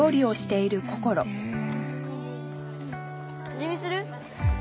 味見する？